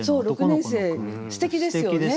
６年生すてきですよね。